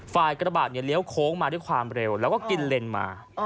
ฝ่ายกระบะเลี้ยวโค้งมาด้วยความเร็วแล้วก็กินเลนส์มา